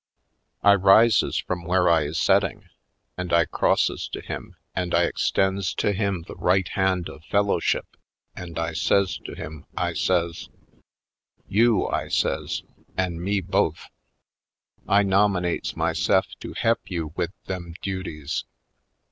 I rises from where I is setting and I crosses to him and I extends to him the 160 /. Poindexterj Colored right hand of fellowship and I says to him, I says: "You," I says, "an' me both ! I nominates myse'f to he'p you wid them duties.